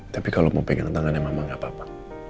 tapi kalau mau pegang tangannya mama gak apa apa